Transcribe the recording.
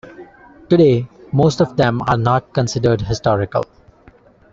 Today, most of them are not considered historical.